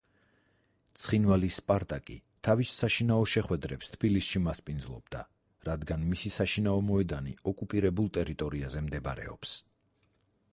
ცხინვალის „სპარტაკი“ თავის საშინაო შეხვედრებს თბილისში მასპინძლობდა, რადგან მისი საშინაო მოედანი ოკუპირებულ ტერიტორიაზე მდებარეობს.